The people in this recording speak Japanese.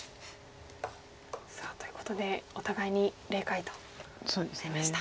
さあということでお互いに０回となりました。